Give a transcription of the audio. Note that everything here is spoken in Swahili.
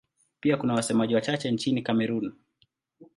Pia kuna wasemaji wachache nchini Kamerun.